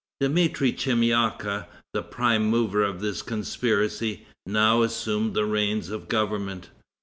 Dmitri Chemyaka, the prime mover of this conspiracy, now assumed the reins of government.